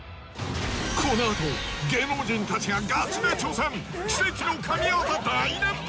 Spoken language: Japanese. このあと芸能人たちがガチで挑戦奇跡の神業大連発